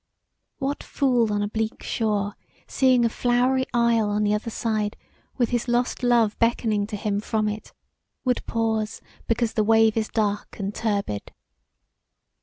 What fool on a bleak shore, seeing a flowery isle on the other side with his lost love beckoning to him from it would pause because the wave is dark and turbid?